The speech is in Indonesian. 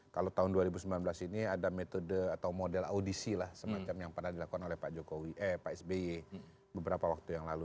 kalau tahun dua ribu sembilan belas ini ada metode atau model audisi lah semacam yang pernah dilakukan oleh pak sby beberapa waktu yang lalu